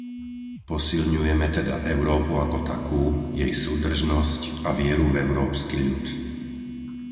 Posilňujeme teda Európu ako takú, jej súdržnosť a vieru v európsky ľud.